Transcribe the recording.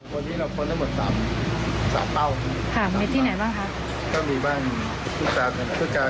วันนี้เราเค้าพูดทั้งหมดตาม๓เป้า